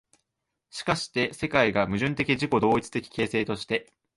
しかして世界が矛盾的自己同一的形成として、